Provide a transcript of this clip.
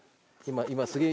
今すげえ